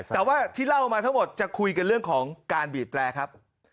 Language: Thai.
แต่ว่าที่เล่ามาทั้งหมดจะคุยกันเรื่องของการบีบแตรครับ